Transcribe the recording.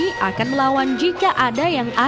tidak ada yang bisa mencari jodoh